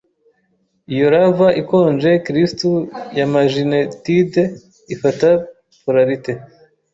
Iyo lava ikonje kristu ya maginetite ifata polarite